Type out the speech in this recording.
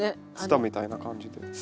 ツタみたいな感じで。